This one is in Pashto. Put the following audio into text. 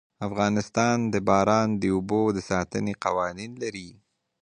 افغانستان د باران د اوبو د ساتنې قوانين لري.